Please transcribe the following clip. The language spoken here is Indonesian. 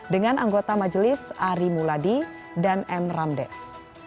dengan anggota majelis ari muladi dan m ramdes